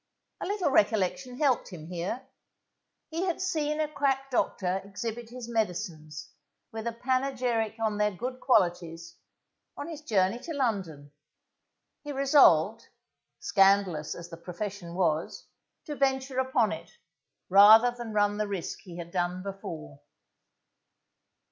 A little recollection helped him here. He had seen a quack doctor exhibit his medicines, with a panegyric on their good qualities, on his journey to London; he resolved, scandalous as the profession was, to venture upon it, rather than run the risk he had done before.